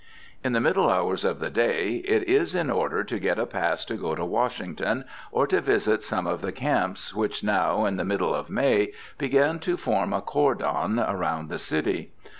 In the middle hours of the day it is in order to get a pass to go to Washington, or to visit some of the camps, which now, in the middle of May, begin to form a cordon around the city.